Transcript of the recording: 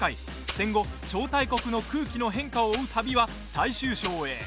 戦後、超大国の空気の変化を追う旅は最終章へ。